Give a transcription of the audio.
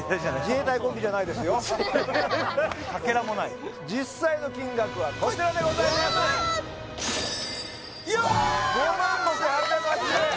自衛隊かけらもない実際の金額はこちらでございますよしよしよし５５８８０円